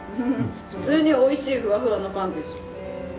普通においしいふわふわのパンです。